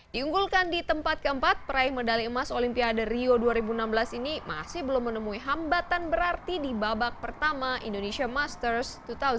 diunggulkan di tempat keempat peraih medali emas olimpiade rio dua ribu enam belas ini masih belum menemui hambatan berarti di babak pertama indonesia masters dua ribu sembilan belas